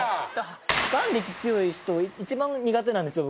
眼力強い人一番苦手なんですよ